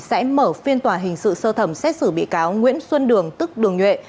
sẽ mở phiên tòa hình sự sơ thẩm xét xử bị cáo nguyễn xuân đường tức đường nhuệ